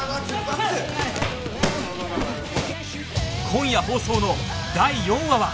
今夜放送の第４話は